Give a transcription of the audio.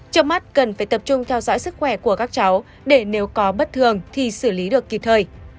trước mắt cần phải tập trung theo dõi sức khỏe của các cháu để nếu có bất thường thì xử lý được kịp thời